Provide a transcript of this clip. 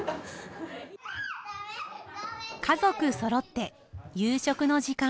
家族そろって夕食の時間。